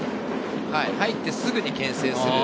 入ってすぐにけん制する。